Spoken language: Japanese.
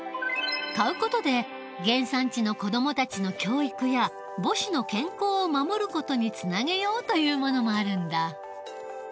買う事で原産地の子どもたちの教育や母子の健康を守る事につなげようというものもあるんだ。